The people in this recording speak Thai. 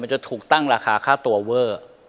จะถูกตั้งราคาค่าตัวเวอร์